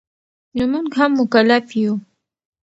نو مونږ هم مکلف یو